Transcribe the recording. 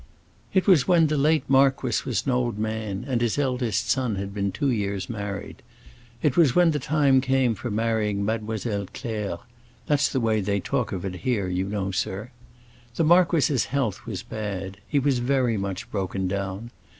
"It was when the late marquis was an old man and his eldest son had been two years married. It was when the time came on for marrying Mademoiselle Claire; that's the way they talk of it here, you know, sir. The marquis's health was bad; he was very much broken down.